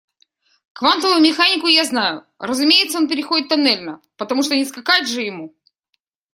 Квантовую механику я знаю, разумеется, он переходит тоннельно, потому что не скакать же ему.